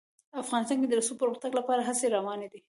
افغانستان کې د رسوب د پرمختګ لپاره هڅې روانې دي.